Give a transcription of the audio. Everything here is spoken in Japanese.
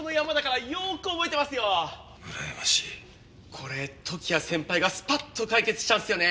これ時矢先輩がスパッと解決したんすよね。